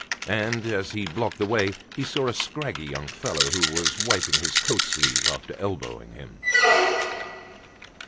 And as he blocked the way, he saw a scraggy young fellow who was wiping his coat sleeve after elbowing him.